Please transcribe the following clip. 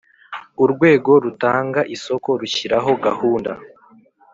Urwego rutanga isoko rushyiraho gahunda